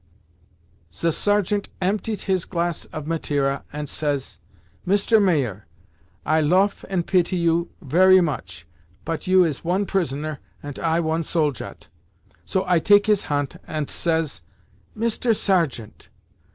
"Ze sergeant emptiet his glass of Mateira, ant says, 'Mister Mayer, I loaf and pity you very much, pot you is one prisoner, ant I one soldat.' So I take his hant ant says, 'Mister Sergeant!